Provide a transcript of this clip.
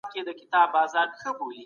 نسخ ليکدود معياري کړئ.